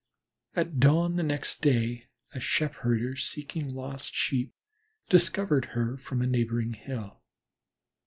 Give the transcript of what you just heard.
At dawn the next day a sheepherder seeking lost Sheep discovered her from a neighboring hill.